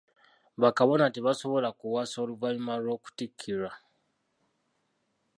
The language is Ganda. Ba Kabona tebasobola kuwasa oluvannyuma lw'okuttikirwa.